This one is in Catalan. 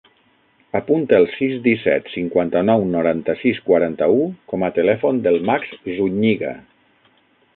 Apunta el sis, disset, cinquanta-nou, noranta-sis, quaranta-u com a telèfon del Max Zuñiga.